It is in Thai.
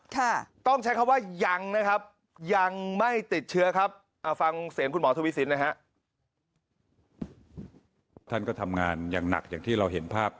ค่ะต้องใช้คำว่ายังนะครับ